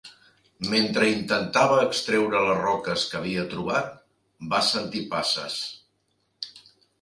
Mentre intentava extreure les roques que havia trobat, va sentir passes.